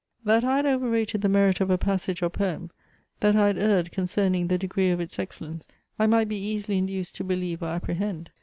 That I had over rated the merit of a passage or poem, that I had erred concerning the degree of its excellence, I might be easily induced to believe or apprehend.